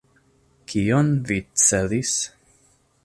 Kion vi celis?